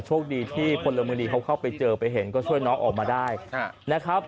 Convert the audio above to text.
โชคดีที่พลเมืองดีเขาเข้าไปเจอไปเห็นก็ช่วยน้องออกมาได้นะครับ